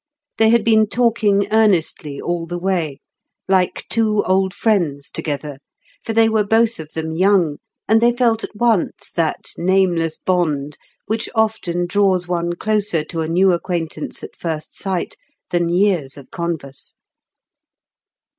They had been talking earnestly all the way, like two old friends together; for they were both of them young, and they felt at once that nameless bond which often draws one closer to a new acquaintance at first sight than years of converse.